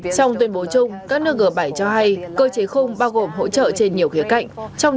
trong tuyên bố chung các nước g bảy cho hay cơ chế không bao gồm hỗ trợ trên nhiều khía cạnh